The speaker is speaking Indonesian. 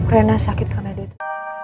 rena sakit karena dia